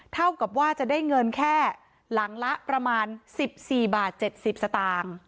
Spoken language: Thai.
เท่ากับว่าจะได้เงินแค่หลังละประมาณ๑๔บาท๗๐สตางค์